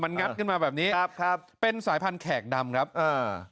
งัดขึ้นมาแบบนี้ครับครับเป็นสายพันธุแขกดำครับอ่า